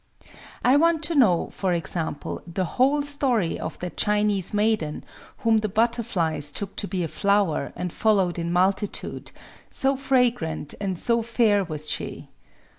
I want to know, for example, the whole story of that Chinese maiden whom the butterflies took to be a flower, and followed in multitude,—so fragrant and so fair was she.